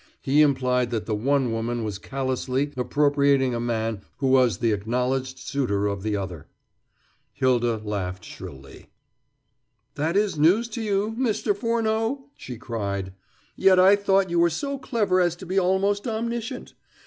He implied that the one woman was callously appropriating a man who was the acknowledged suitor of the other. Hylda laughed shrilly. "That is news to you, Mr. Furneaux," she cried. "Yet I thought you were so clever as to be almost omniscient.